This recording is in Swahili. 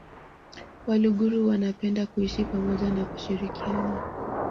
Waluguru wanapenda kuishi pamoja na kushirikiana